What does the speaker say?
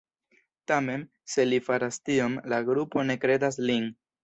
Tamen, se li faras tion, la grupo ne kredas lin.